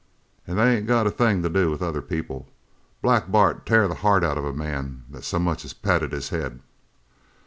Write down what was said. An' they ain't got a thing to do with other people. Black Bart'd tear the heart out of a man that so much as patted his head."